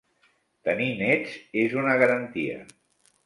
Tenir nets és una garantia.